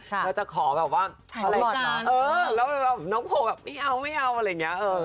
แล้วจะขอแบบว่าน้องโภว์แบบไม่เอาไม่เอาอะไรอย่างเงี้ย